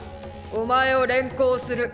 お前を連行する！